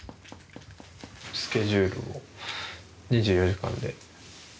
スケジュールを２４時間で。